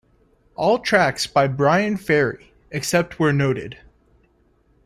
All tracks by Bryan Ferry except where noted.